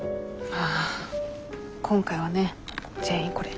あ今回はね全員これ。